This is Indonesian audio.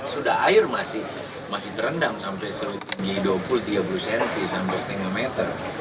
sudah air masih terendam sampai setinggi dua puluh tiga puluh cm sampai setengah meter